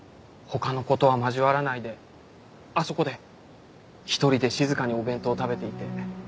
他の子とは交わらないであそこで一人で静かにお弁当を食べていて。